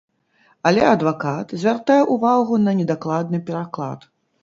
Але адвакат звяртае ўвагу на недакладны пераклад.